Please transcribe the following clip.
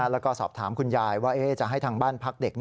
แล้วก็สอบถามคุณยายว่าจะให้ทางบ้านพักเด็ก